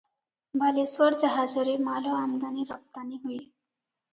ବାଲେଶ୍ୱର ଜାହାଜରେ ମାଲ ଆମଦାନି ରପ୍ତାନି ହୁଏ ।